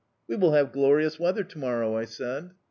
"We will have glorious weather to morrow," I said.